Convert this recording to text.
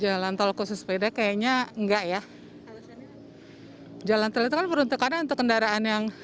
jalan tol khusus sepeda kayaknya enggak ya jalan terlalu beruntuk ada untuk kendaraan yang